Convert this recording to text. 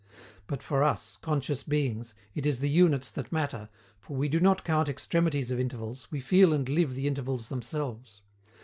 But for us, conscious beings, it is the units that matter, for we do not count extremities of intervals, we feel and live the intervals themselves.